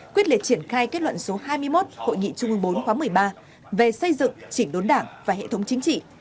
quyết liệt triển khai kết luận số hai mươi một hội nghị trung ương bốn khóa một mươi ba về xây dựng chỉnh đốn đảng và hệ thống chính trị